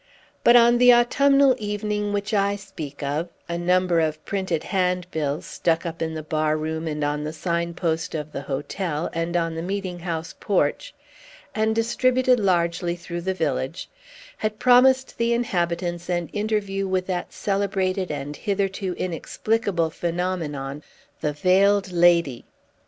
But, on the autumnal evening which I speak of, a number of printed handbills stuck up in the bar room, and on the sign post of the hotel, and on the meeting house porch, and distributed largely through the village had promised the inhabitants an interview with that celebrated and hitherto inexplicable phenomenon, the Veiled Lady!